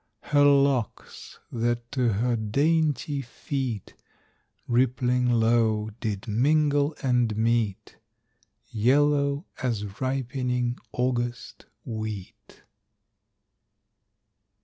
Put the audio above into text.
Her locks that to her dainty feet Rippling low, did mingle and meet, Yellow as ripening August wheat.